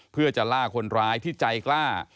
เพื่อจะล่าคนร้ายที่ใจกล้า